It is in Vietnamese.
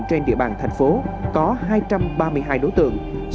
trên địa bàn thành phố có hai trăm ba mươi hai đối tượng